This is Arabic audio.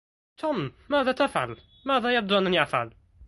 توم، ماذا تفعل؟ "ماذا يبدو أنني أفعل؟"